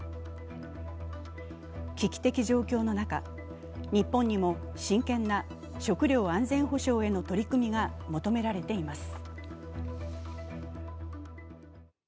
危機的状況の中、日本にも真剣な食料安全保障への取り組みが求められています。